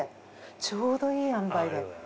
ちょうどいい塩梅で。